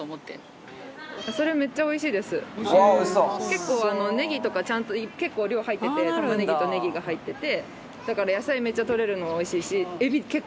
結構ネギとかちゃんと結構量入ってて玉ねぎとネギが入ってて。